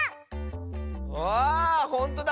ああっほんとだ！